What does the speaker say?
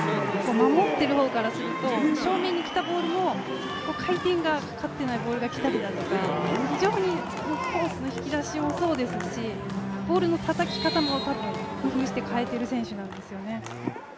守っている方からすると正面にきたボール、回転がかかってないボールがきたりとか非常にコースの引き出しもそうですしボールのたたき方も工夫して変えてる選手なんですよね。